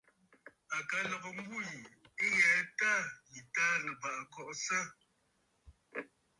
À ka lɔ̀gə mbû yì ɨ ghɛ tâ yì Taà Nɨ̀bàʼà kɔʼɔsə.